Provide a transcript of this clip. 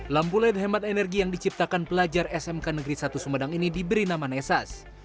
lampu led hemat energi yang diciptakan pelajar smk negeri satu sumedang ini diberi nama nesas